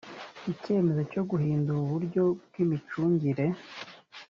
icyemezo cyo guhindura uburyo bw’imicungire